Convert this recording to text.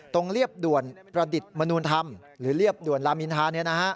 เรียบด่วนประดิษฐ์มนุนธรรมหรือเรียบด่วนลามินทา